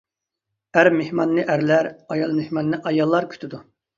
ئەر مېھماننى ئەرلەر، ئايال مېھماننى ئاياللار كۈتىدۇ.